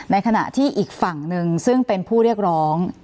ในขณะที่อีกฝั่งหนึ่งซึ่งเป็นผู้เรียกร้อง